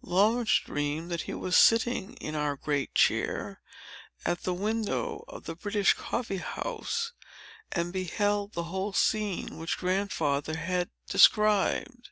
Laurence dreamed that he was sitting in our great chair, at the window of the British Coffee House, and beheld the whole scene which Grandfather had described.